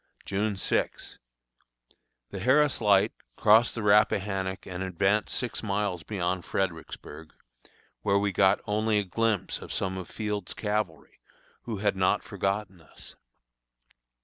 June 6. The Harris Light crossed the Rappahannock and advanced six miles beyond Fredericksburg, where we got only a glimpse of some of Field's cavalry, who had not forgotten us.